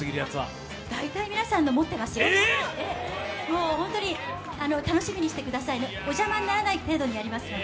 大体皆さんの持ってますよ、本当に楽しみにしてくださいね、お邪魔にならない程度にやりますので。